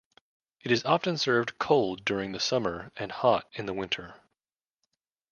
It is often served cold during the summer, and hot in the winter.